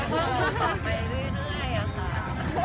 แม่กับผู้วิทยาลัย